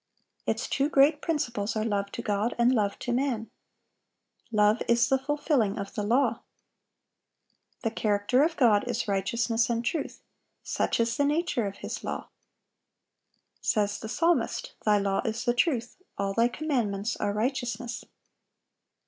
Its two great principles are love to God and love to man. "Love is the fulfilling of the law."(785) The character of God is righteousness and truth; such is the nature of His law. Says the psalmist, "Thy law is the truth;" "all Thy commandments are righteousness."